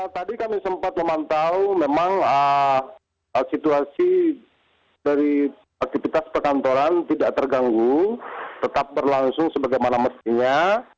tadi kami sempat memantau memang situasi dari aktivitas perkantoran tidak terganggu tetap berlangsung sebagaimana mestinya